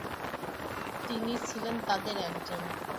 তিনি ছিলেন তাদের একজন।